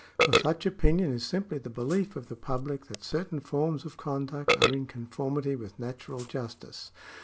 For such opinion is simply the belief of the public that certain forms of con duct are in conformity with natural justice.